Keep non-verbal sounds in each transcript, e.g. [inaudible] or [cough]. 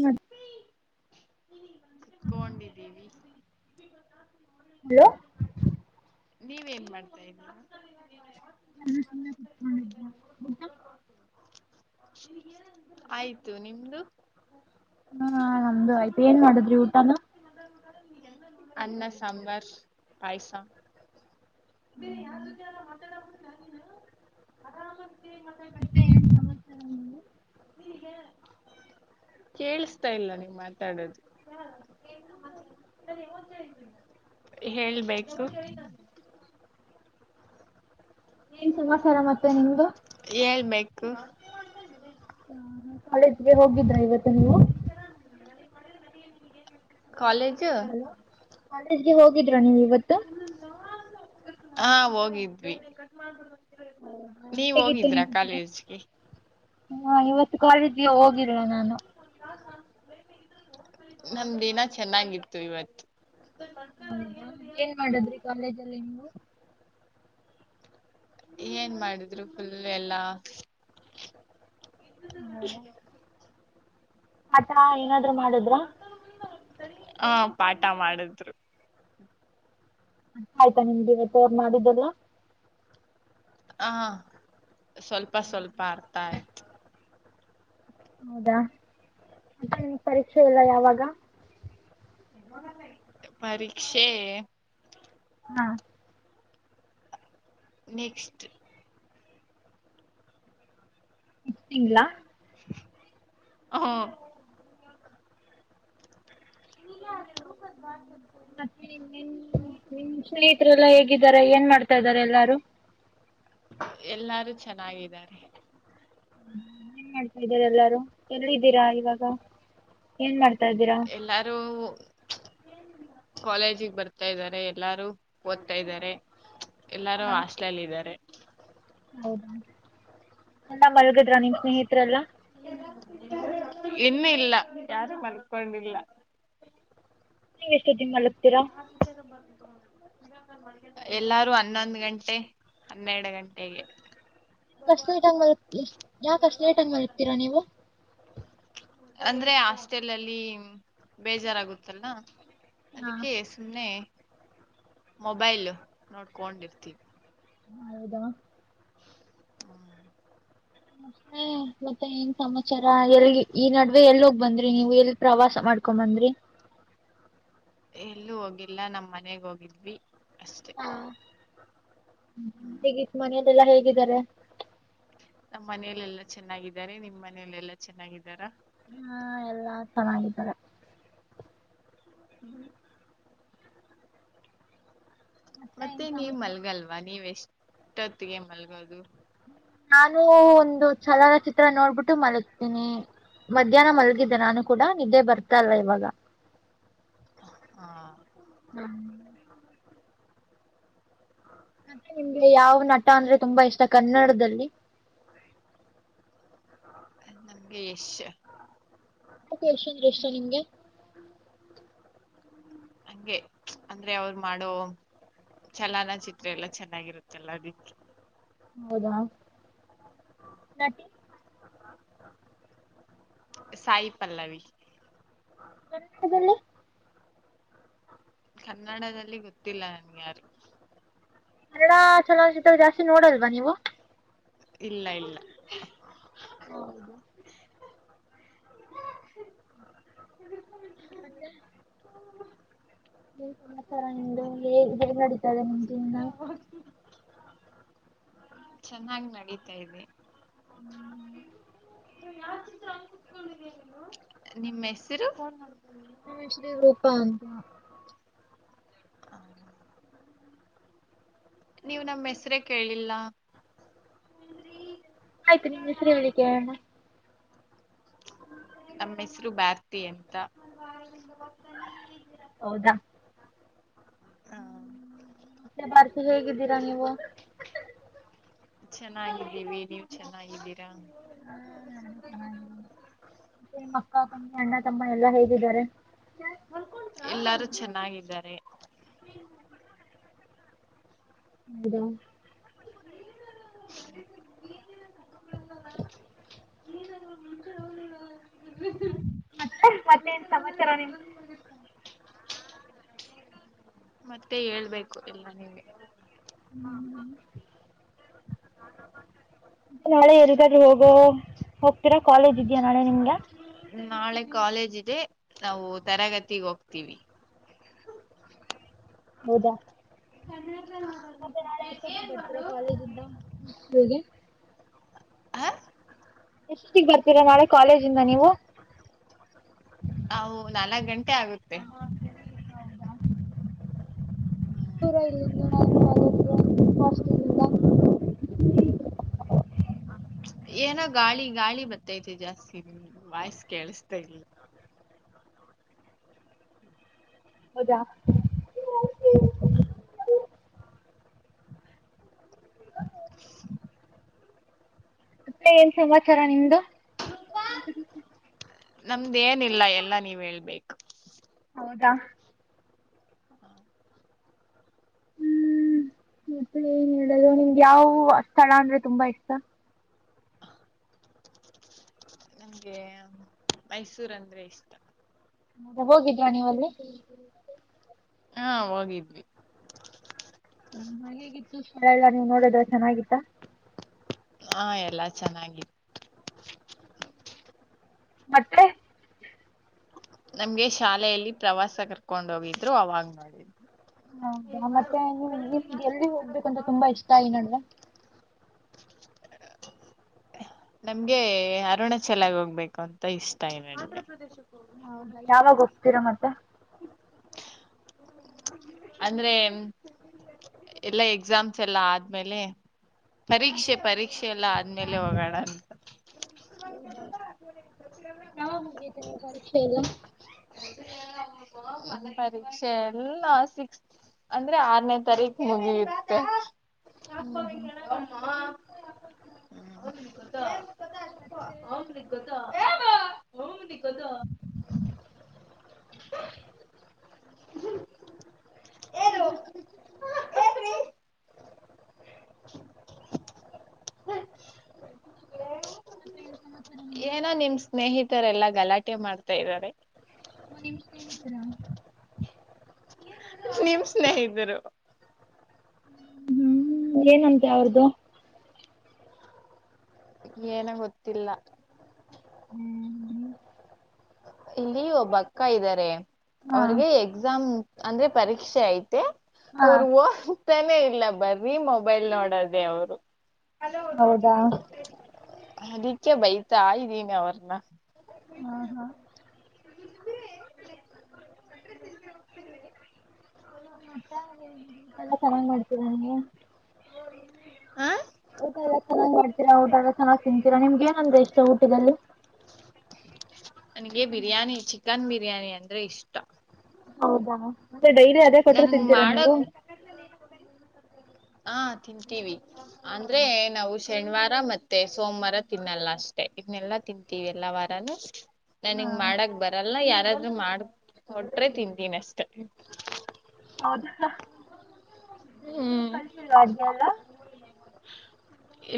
ಹ್ಮ ಕೊಂಡ ದ ದವಿ ನೀವ ನ್ ಮಾಡ್ತಾ ಇದವಾ ನಾನು ಸುಮ್ಮನೆ ಕುತ್ಕೊಂಡಿದ್ದ್ಯಾ ಊಟಾ ಆಯ್ತು ನಿಮ್ದು ಹಾ ನಮ್ದು ಆಯ್ತು ಏನ್ ಮಾಡುದ್ರಿ ಊಟನ ಅನ್ನ ಸಂಬರ್ ಪಾಯಸಾ ಬೇರೆ ಯಾರ ಜೊತೆ ಎಲ್ಲ ಮಾತಾಡ ಮತ್ತೆ ಏನು ಸಮಾಚಾರ ನಿಮಗೆ ಕೇೇಳಸ್ತಾ ಇಲ್ಲ ನೀವು ಮಾತಾಡೋದು ಹೇಳ್ಬೇಕು ನೀಏನ್ ಸಮಾಥಾರ ಮತ್ತೆ ನಿಮ್ದು ಹೇಳ್ಬೇಕು ಹ ಕಾಳೇಜ್ಗೆ ಹೋಗಿದ್ರಾ ಇವತ್ತು ನೀ ನಿರ ಮ ಮಾಡ ಮನತ ಹಲೋ ಕಾಲೇಜ್ಗೆ ಹೋಗಿದರಾ ನೀವು ಇವತ್ತು ಹಾ ಹೋಗಿದ್ವಿ ಹೌದಾ ನೀವ ಹೇಗಿತ್ತು ಹೋಗಿದ್ರಾ ನಿಮ್ ದಿನ ಕಾಲೇಜ್ಗೆ ಹಾ ಇವತ್ತು ಕಾಲೇಜಗೆ ಹೋಗಿದ್ದೆ ನಾನು ನಮ್ಮ ದಿನ ಚೆನ್ನಾಗಿತ್ತು ಇವತ್ತು ಹೌದಾ ಏನ್ ಮಾಡದ್ರಿ ಕಾಲೇಜಲ್ಲಿ ನೀವು ಏನ್ ಮಾಡಿದ್ರು ಫುಲ್ ಎಲ್ಲಾ [unintelligible] ಪಾಠ ಏನಾದ್ರು ಮಾಡುದ್ರ ಹ ಪಾಠ ಮಾಡಿದ್ರು ಅಅರ್ಥ ಆಯ್ತಾ ನಿಮಗೆ ಇವತ್ತು ಅವರ್ ಮಾಡಿರೋದು ಹ ಸ್ವಲ್ಪ ಸ್ವಲ್ಪ ಅರ್ಥ ಆಯ್ತು ಹೌದಾ ಮತ್ತೆ ನಿಮ್ ಪರೀಕ್ಷೆ ಎಲ್ಲ ಯಾವಾಗ ಪರೀಕ್ಷೆ ಹಾ ನೆಕ್ಸ್ಟ್ ಈ ತಿಂಗಳ ಹೂ [unintelligible] ಮತ್ತೆ ನಿ ಸ್ನೇಹಿತರೆಲ್ಲ ಹೇಗಿದ್ದಾರೆ ಏನ್ ಮಾಡ್ತಾ ಇದಾರೆ ಎಲ್ಲಾರು [unintelligible] ಎಲ್ಲಾರು ಚೆನ್ನಾಗಿದ್ದಾರೆ ಏನ್ ಮಾಡ್ತಾ ಇದಾರೆ ಎಲ್ಲಾರು ಎಲ್ಲಿದ್ದೀರಾ ಇವಾಗ ಏನ್ ಮಾಡ್ತ ಎಲ್ಲಾರು ಕಾಲೇಜಿಗೆ ಬರ್ತಾ ಇದ್ದಾರೆ ಎಲ್ಲಾರು ಓದ್ತಾ ಇದ್ದಾರೆ ಎಲ್ಲಾರೂ ಹಾ ಹಾಸ್ಟೆಲ್ ಅಲ್ಲಿ ಇದ್ದರೆ ಹೌದಾ ಎಲ್ಲ ಮಲ್ಗಿದ್ರ ನಿಮ್ಮ್ ಸ್ನೇಹಿತರೆಲ್ಲಾ ಇನ್ನು ಇಲ್ಲ ಯಾರು ಮಲ್ಕೊಂಡಿಲ್ಲ ನೀವ್ ಎಷ್ಟೋತ್ತಿಗೆ ಮಲಗ್ತೀರಾ [unintelligible] ಎಲ್ಲಾರು ಹನ್ನೊಂದು ಗಂಟೆ ಹನ್ನೆರಡು ಗಂಟೆಗೆ ಆಷ್ಟು ಲೇಟಾಗಿ ಮಲ್ಗ್ ಯಾಕೆ ಅಷ್ಟು ಲೇಟಾಗಿ ಮಲಗ್ತೀರಾ ನೀವು ಅಂದ್ರೆ ಹಾಸ್ಟೆಲ್ ಅಲ್ಲಿ ಬೇಜಾರಾಗುತ್ತಲ್ಲ ಹಾ ಅದಕ್ಕೆ ಸುಮ್ನೆ ಮೊಬೈಲ್ ನೋಡಿಕೊಂಡು ಇರ್ತಿವಿ ಹೌದಾ ಹ್ಮ್ ಮತ್ತೆ ಏನ್ ಸಮಾಚಾರ ಎಲ್ಲಿ ಈ ನಡುವೆ ಎಲ್ ಹೋಗ್ ಬಂದ್ರಿ ನೀವು ಎಲ್ಲಿ ಪ್ರವಾಸ ಮಾಡ್ಕೊಂಡ್ ಬಂದ್ರಿ [unintelligible] ಎಲ್ಲೂ ಹೋಗಿಲ್ಲ ನಮ್ಮ್ ಮನೆಗ್ ಹೋಗಿದ್ವಿ ಅಷ್ಟೆ ಹಾ ಹೇಗತ್ತು ಮನೆಯಲೆಲ್ಲಾ ಹೇಗಿದ್ದಾರೆ ನಮ್ಮ್ ಮನೆಲಿ ಎಲ್ಲಾ ಚೆನ್ನಾಗಿದ್ದಾರೆ ನಿಮ್ ಮನೇಲಿ ಎಲ್ಲಾ ಚೆನ್ನಾಗಿದ್ದಾರ ಹಾ ಎಲ್ಲಾ ಚೆನ್ನಾಗಿದ್ದಿದ್ದಾರೆ. [inaudible] ಮತ್ತೆ ಏನ್ ನೀವ ಸಮಾಚಾರ ಮಲಗಲ್ವ ನೀವ್ ಎಷ್ಟೊತ್ತಿಗೆ ಮಲ್ಗೋದು ನಾನು ಒಂದು ಚಲನಚಿತ್ರ ನೋಡ್ಬಿಟ್ಟು ಮಲಗ್ತೇನಿ ಮಧ್ಯಾಹ್ನ ಮಲ್ಗಿದ್ದೆ ನಾನು ಕೂಡ ನಿದ್ದೆ ಬರ್ತ ಇಲ್ಲ ಇವಾಗ ಹಾ ಮತ್ತೆ ನಿಮ್ಗೆ ಯಾವ ನಟ ಅಂದ್ರೆ ತುಂಬಾ ಇಷ್ಟ ಕನ್ನಡದಲ್ಲಿ? ನಮಗೆ ಯಶ್ ಯಾಕೆ ಯಶ್ ಅಂದ್ರೆ ಇಷ್ಟ ನಿಮಗೆ ಹಗೆ ಅಂದ್ರೆ ಅವರು ಮಾಡೋ ಚಲಾನಚಿತ್ರ ಎಲ್ಲ ಚೆನ್ನಾಗಿರುತ್ತಲ್ಲ ಅದಿಕ್ಕೇ. ಹೌದಾ ನಟಿ ಸಾಯಿ ಪಲ್ಲವಿ [unintelligible] ಕನ್ನಡದಲ್ಲಿ ಗೊತ್ತಿಲ್ಲ ನನ್ಗ ಯಾರು ನೋಡೇಲ್ವಾ ನೀವು ಇಲ್ಲ ಇಲ್ಲ ಹೌದಾ ಮತ್ತೆ ಏನ್ ಸಮಾಚಾರ ನಿಂದು ಹೇ ಹೇಗೊ ನಡಿತಾಯಿದೆ ನಿಮ್ ಜೀವ್ನ ಚೆನ್ನಾಗಿ ನಡೀತಾ ಇದೆ ಹ್ಮ್ ನಿಮ್ಮ ಹೆಸರು ನಮ್ಮ ಹೆಸರು ರೂಪಾ ಅಂತ ನೀವು ನಮ್ ಹೆಸ್ರೇ ಕೇಳಿಲ್ಲ ನಿಮ್ಮ ಹೆಸರೇಳಿ ಕೇಳೋಣ ನಮ್ಮ ಹೆಸರು ಭಾರ್ತಿ ಎಂತ ಹೌದಾ ಹ ಹ್ಮ ಮತ್ತೆ ಬಾರ್ತಿ ಹೇಗಿದ್ದೀರಾ ನೀವು ಚೆನ್ನಾಗಿದ್ದೀವಿ ನೀವು ಚೆನ್ನಾಗಿದ್ದೀರಾ ಹಾ ನಾನು ಚೆನ್ನಾಗಿದ್ದೀನಿ. ಮತ್ತೆ ಅಕ್ಕ ತಂಗಿ ಅಣ್ಣ ತಮ್ಮ ಎಲ್ಲಾ ಹೇಗಿದ್ದಾರೆ ರು ಚೆನ್ನಾಗಿದ್ದಾರೆ ಹೌದಾ [unintelligible] [unintelligible] ಮತ್ತೆ ಮತ್ತೇನ್ ಸಮಾಚಾರ ನಿಮ್ ಮತ್ತೆ ಹೇಳ್ಬೇಕು ಎಲ್ಲ ನೀವೆ ನಾಳೆ ಎಲ್ಗಾದ್ರೆ ಹೋಗೋ ಹೋಗ್ತೀರಾ ಕಾಲೇಜ್ ಇದ್ಯಾ ನಾಳೆ ನಿಮ್ಗೆ ನಾಳೆ ಕಾಲೇಜ್ ಇದೆ ನಾವು ತರಗತಿಗೆ ಹೋಗ್ತೀವಿ ಹೌದಾ [unintelligible] ಮತ್ತೆ ನಾಳೆ ಎಷ್ಟೊತ್ತಿಗೆ ಬರ್ತೀರಾ ಕಾಲೇಜಿಂದ ಹಾಸ್ಟ್ಲಿಗೆ ಹಾ ತ್ತಿಗ್ ಬರ್ತೀರಾ ನಾಳೆ ಕಾಲೇಜಿಂದ ನೀವು ತ್ತೆ ಆಗುತ್ತೆ [inaudible] [unintelligible] ಹ ಏನೋ ಗಾಳಿ ಗಾಳಿ ಬತ್ತೈತಿ ಜಾಸ್ತಿ ವಾಯ್ಸ್ ಕೇಳಸ್ತ ಇಲ್ಲ ಹೌದಾ ಮತ್ತೆ ಏನ್ ಸಮಾಚಾರ ನಿಮ್ದು ನಮ್ದೇನಿಲ್ಲ ಎಲ್ಲಾ ನೀವ್ ಹೇಳ್ಬೇಕು ಊಟ ಹ್ಮ್ ಮತ್ತೆ ಏನ್ ಹೇಳುದು ನಿಮ್ಗೆ ಯಾವ ಸ್ಥಳ ಅಂದ್ರೆ ತುಂಬಾ ಇಷ್ಟ ನಂಗೆ ಮೈಸೂರ್ ಅಂದ್ರೆ ಇಷ್ಟ ಹೋಗಿದ್ರಾ ನೀವಲ್ಲಿ ಹಾ ಹೋಗಿದ್ವಿ. ಹಾ ನ ಹೇಗಿತ್ತು ಶಳ ಎಲ್ಲ ನೀ ನೋಡದ್ರ ಚೆನ್ನಾಗಿತ್ತ ಹಾ ಎಲ್ಲಾ ಚೆನ್ನಾಗಿತ್ತು ಮತ್ತೆ ನಮ್ಗೆ ಶಾಲೆಯಲ್ಲಿ ಪ್ರವಾಸ ಕರ್ಕೊಂಡ್ ಹೋಗಿದ್ರು ಅವಾಗ್ ನೋಡಿದ್ ಹೌದಾ ಮತ್ತೆ ನಿಮ ನಿಮ್ಗೆ ಎಲ್ಲಿ ಹೋಗ್ಬೇಕಂತ್ರೆ ತುಂಬಾ ಇಷ್ಟ ಈ ನಡುವ ನಮ್ಗೆ ಅರುಣ ಚೆಲಾಗ ಹೋಗ್ಬೇಕು ಅಂತ ಇಷ್ಟ ನ ಹ ಹೌದಾ ಯಾವಾಗ ಹೋಗ್ತ್ತೀರಾ ಮತ್ತೆ ಅಂದ್ರೆ ಎಲ್ಲ ಎಕ್ಸಾಮ್ಸ್ ಎಲ್ಲಾ ಆದ್ಮೇಲೆ ಪರೀಕ್ಷೆ ಪರೀಕ್ಷೆ ಎಲ್ಲ ಆದ ಅ ಮೇಲೆ ಹೋಗೋಣ ಅಂತ ಯಾವಾಗ ಮುಗಿಯುತ್ತೆ ನಿಮ್ಮ ಪರೀಕ್ಷೆ ಎಲ್ಲ ಪರೀಕ್ಷೆ ಎಲ್ಲ ಸಿಕ್ಸ್ತ್ ಅಂದ್ರೆ ಆರನೇ ತಾರೀಕ್ ಮುಗಿಯುತ್ತೆ. ಹೌದಾ ಗತ್ತ ಹ ದಕ್ಕದ [unintelligible] [unintelligible] [unintelligible] ಏನ್ ಸಮಾಚಾರ ನಿಮ್ಮ ಏನೋ ನಿಮ್ ಸ್ನೇಹಿತರೆಲ್ಲಾ ಗಲಾಟೆ ಮಾಡ್ತಾ ಇದ್ದಾರೆ. ಓ ನಿಮ್ ಸ್ನೇಹಿತರಾ ನಿಮ್ ಸ್ನೇಹಿತರು ಹ್ಮ್ ಏನಂತೆ ಅವ್ರ್ದು ಏನ ಗೊತ್ತಿಲ್ಲ ಹ್ಮ್ ಹ್ಮ ಇಲ್ಲಿ ಒಬ್ಬ ಅಕ್ಕ ಇದ್ದಾರೆ ಹಾ ಅವ್ರಗೆ ಎಕ್ಸಾಮ್ ಅಂದ್ರೆ ಪರೀಕ್ಷೆ ಆಯ್ತು ಆಯ್ತಂತೆ ಹಾ ಅವ್ರು ಓದ್ತಾನೇ ಇಲ್ಲ ಬರ್ರೀ ಮೊಬೈಲ್ ನೋಡದೇ ಅವರು ಹೌದಾ ಅದಕ್ಕೆ ಬೈತಾ ಇದ್ದೀನಿ ಅವ್ರನ್ನ ಹಾ ಹಾ ಊಟ ಎಲ್ಲ ಚೆನ್ನಾಗ್ ಮಾಡ್ತರ ನೀವು ಆ ಊಟ ಎಲ್ಲ ಚೆನ್ನಾಗ್ ಮಾಡ್ತೀರಾ ಊಟ ಎಲ್ಲ ಚೆನ್ನಾಗ್ ತಿಂತೀರಾ ನಿಮ್ಗೆ ಏನಂದ್ರೆ ಇಷ್ಟ ಊಟದಲ್ಲಿ ನನ್ಗೆ ಬಿರಿಯಾನಿ ಚಿಕನ್ ಬಿರಿಯಾನಿ ಅಂದ್ರೆ ಇಷ್ಟ ಹೌದಾ ಅಂದೆ ಡೈಲಿ ಅದೇ ಕೊಟ್ಟರು ನನ್ಗ್ ತಿಂತೀರಾ ನೀವು ಮಾಡಕ್ ಹ ತಿಂತೀವಿ ಅಂದ್ರೆ ನಾವುಷ ಶನಿವಾರ ಮತ್ತೆ ಸೋಮವಾರ ತಿನ್ನಲ್ಲ ಅಷ್ಟೆ ಇದನ್ನೆಲ್ಲಾ ತಿಂತೀವಿ ಎಲ್ಲ ವಾರನು ನನ್ಿಂಗ ಹಾ ಮಾಡಕ್ ಬರಲ್ಲನ ಯಾರಾದ್ರರು ಮಾಡ ಕೊಟ್ರೆ ತಿಂತೀನಿ ಅಷ್ಟೆ ಹೌದಾ ನೀವು ಹ್ಮ್. ಕಲ್ತಿಲ್ವಾ ಅಡಿಗೆಯಲ್ಲ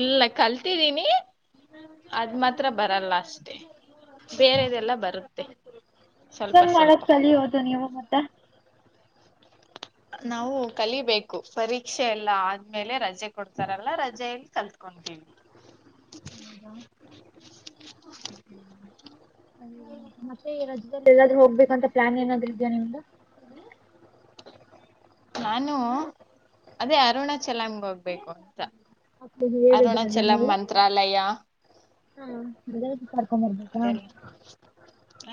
ಇಲ್ಲ ಕಲ್ತಿದ್ದೀನಿ ಅದ ಮಾತ್ರ ಬರಲ್ಲ ಅಷ್ಟೆ ಬೇರೆದೆಲ್ಲ ಹೌದಾ ಬರುತ್ತೆ ಸ್ವಲ್ಪ ಅದನ್ ಸ್ವಲ್ಪ ಮಾಡಕ್ ಕಲಿಯೋದು ನೀವು ಮತ್ತೆ ನಾವು ಕಲಿಬೇಕು ಪರೀಕ್ಷೆ ಎಲ್ಲ ಆದ್ಮೇಲೆ ರಜೆ ಕೊಡ್ತಾರಲ್ಲ ರಜೆಯಲ್ಲಿ ಕಲ್ತ್ಕೊ ಹ ಹೌದಾ ಅ ಮತ್ತೆ ರಜ್ದಲ್ಲಿ ಎಲ್ಲಾದ್ರೂ ಹೋಗಬೇಕಂತ ಪ್ಲಾನ್ ಏನಾದ್ ಇದೆಯಾ ನಿಮ್ [unintelligible] ನಾನು ಅದೇ ಅರುಣ ಚೆಲಾಮ್ಗೆ ಹೋಗ್ಬೇಕು ಅಂತ ಮಕ್ಳಿಗೆ ಅರುಣಾಚಲಮ ಮಂತ್ರಾಲಯ ಹ್ಮ ಬೆಡತಿ ಕರ್ಕೋಬರ್ಬೇಕಾ ಅದೆಲ್ಲ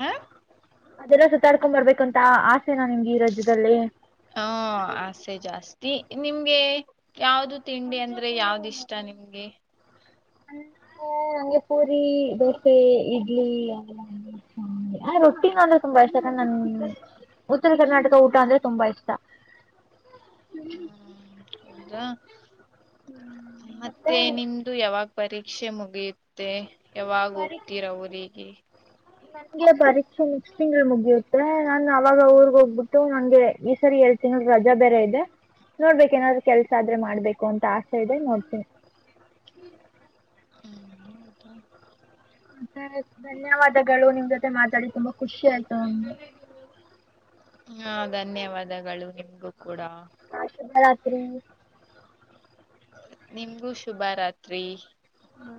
ಹ ಅದೆಲ್ಲ ಸುತ್ತಾಡಿಕೊಂಡು ಬರಬೇಕು ಅಂತ ಆಸೆನ ನಿಮ್ಗೆ ಈ ರಾಜ್ದಲ್ಲಿ ತಿ ನಿಮ್ಗೆ ಯಾವ್ದು ತಿಂಡಿ ಅಂದ್ರೆ ಯಾವ್ದ ಇಷ್ಟ ನಿಮ್ಗೆ ಹ ಹೆ ಪೂರಿ ದೋಸೆ ಇಡ್ಲಿ ಎಲ್ಲ ರೊಟ್ಟಿ ಅಂದ್ರು ತುಂಬ ಇಷ್ಟ ನನ್ ಉತ್ತರ ಕರ್ನಾಟಕ ಊಟ ಅಂದ್ರೆ ತುಂಬಾ ಇಷ್ಟ ಮತ್ತೆ ನಿಮ್ದು ಯಾವಾಗ್ ಬರೀ ಶಿಕ್ಷೆ ಮುಗಿಯುತ್ತೆ ಯಾವಾಗ ಹೋಗ್ತೀರ ಅವರಿಗೆ ನಂಗೆ ಪರೀಕ್ಷೆ ನೆಕ್ಸ್ಟ್ ತಿಂಗಳು ಮುಗಿಯುತ್ತೆ ನಾನ್ ಅವಾಗ ಊರ್ಗ್ ಹೋಗ್ಬಿಟ್ಟು ನಂಗೆ ಈಸರಿ ಹೇಳ್ತೀನಿ ರಜಾ ಬೇರೆ ಇದೆ ನೋಡ್ಬೇಕೇಕ್ ಏನಾದ್ರು ಕೆಲ್ಸ ಆದ್ರೆ ಮಾಡ್ಬೇಕು ಅಂತ ಆಸೆ ಇದೆ ನೋಡ್ತೀನಿ ಹ [unintelligible] [unintelligible] ಧನ್ಯವಾದಗಳು ನಿಮ್ ಜೊತೆ ಮಾತಾಡಿ ತುಂಬಾ ಖುಷಿ ಆಯ್ತು ನಮ್ಗೆ ಹಾ ಧನ್ಯವಾದಗಳು ನಿಮ್ಗೂ ಕೂಡ ಹ ಶುಭರಾತ್ರಿ ನಿಮಗೂ ಶುಭ ರಾತ್ರಿ ಹ್ಮ